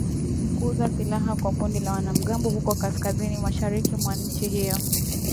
kuuza silaha kwa kundi la wanamgambo huko kaskazini mashariki mwa nchi hiyo